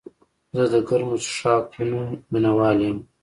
زه د ګرمو څښاکونو مینه وال یم.